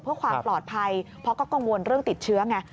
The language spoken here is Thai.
เพื่อความปลอดภัยเพราะก็กังวลเรื่องติดเชื้อไง